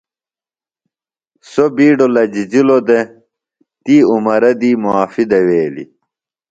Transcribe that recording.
سو بیڈو لجِجِلوۡ دےۡ تی عمرہ دی معافیۡ دویلیۡ۔ عمرہ